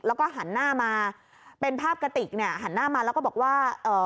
แล้วก็หันหน้ามาเป็นภาพกระติกเนี่ยหันหน้ามาแล้วก็บอกว่าเอ่อ